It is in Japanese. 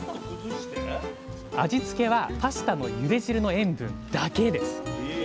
味付けはパスタのゆで汁の塩分だけです。